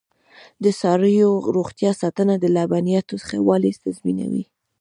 د څارویو روغتیا ساتنه د لبنیاتو ښه والی تضمینوي.